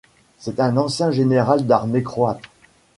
C’est un ancien général d'armée croate.